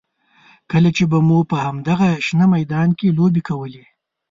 کله چې به مو په همدغه شنه میدان کې لوبې کولې.